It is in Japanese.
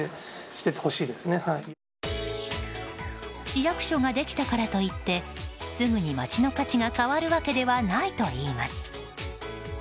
市役所ができたからといってすぐに街の価値が変わるわけではないといいます。